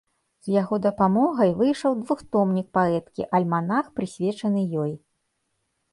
З яго дапамогай выйшаў двухтомнік паэткі, альманах, прысвечаны ёй.